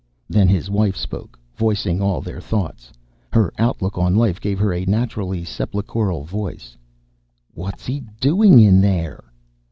Then his wife spoke, voicing all their thoughts. Her outlook on life gave her a naturally sepulchral voice. "_What's he doing in there?